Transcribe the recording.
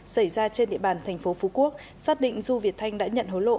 xảy ra trên địa bàn thành phố phú quốc xác định du việt thanh đã nhận hối lộ